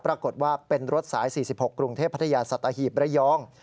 ปรากฏว่าเป็นรถสาย๔๖กรุงเทพพัทยาสัตหีบระยอง